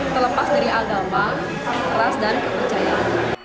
terlepas dari agama ras dan kepercayaan